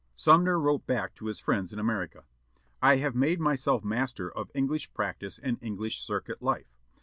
Sumner wrote back to his friends in America: "I have made myself master of English practice and English circuit life.